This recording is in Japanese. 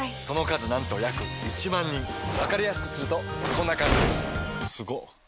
その数なんと約１万人わかりやすくするとこんな感じすごっ！